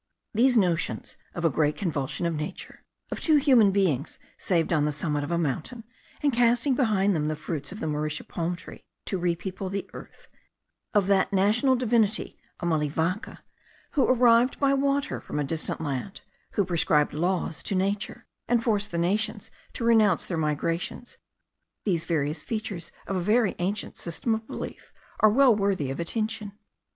These notions of a great convulsion of nature; of two human beings saved on the summit of a mountain, and casting behind them the fruits of the mauritia palm tree, to repeople the earth; of that national divinity, Amalivaca, who arrived by water from a distant land, who prescribed laws to nature, and forced the nations to renounce their migrations; these various features of a very ancient system of belief, are well worthy of attention.